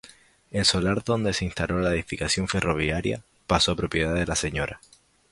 El solar donde se instaló la estación ferroviaria, pasó a propiedad de la Sra.